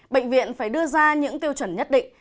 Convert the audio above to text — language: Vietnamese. bệnh viện phải đưa ra những tiêu chuẩn nhất định